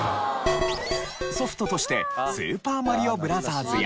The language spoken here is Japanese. ソフトとして『スーパーマリオブラザーズ』や。